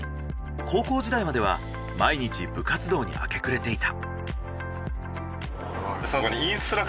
高校時代までは毎日部活動に明け暮れていた。